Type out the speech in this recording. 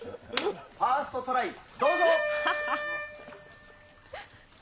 ファーストトライ、どうぞ。